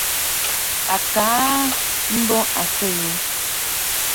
A kɔʼɔ aa a mbùʼû àtû.